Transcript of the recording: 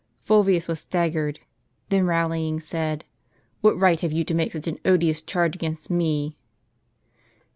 Fulvius was staggered; then rallying, said, "What right have you to make such an odious charge against me